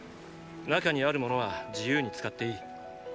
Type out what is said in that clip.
中にある物は自由に使っていい。